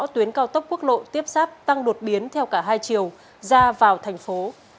tuyến cao tốc quốc lộ tiếp sáp tăng đột biến theo cả hai chiều ra vào thành phố